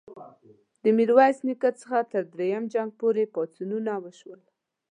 د میرویس نیکه څخه تر دریم جنګ پوري پاڅونونه وشول.